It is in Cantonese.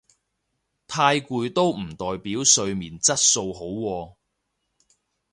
太攰都唔代表睡眠質素好喎